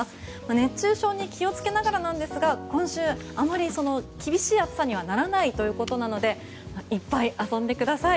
熱中症に気をつけながらなんですが今週、あまり厳しい暑さにはならないということなのでいっぱい遊んでください。